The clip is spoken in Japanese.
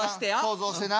想像してな。